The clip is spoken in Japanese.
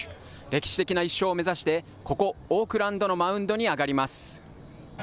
歴史的な１勝を目指してここ、オークランドのマウンドに上がります。